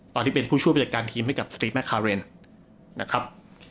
ตอนที่เป็นผู้ช่วยผ่านการทีมให้กับสตรีงแมคคาเวรนะครับ